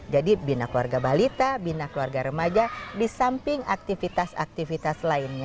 jadi bina keluarga balita bina keluarga remaja di samping aktivitas aktivitas lainnya